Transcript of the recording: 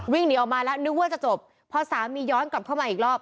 วิ่งหนีออกมาแล้วนึกว่าจะจบพอสามีย้อนกลับเข้ามาอีกรอบ